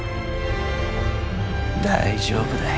大丈夫だい。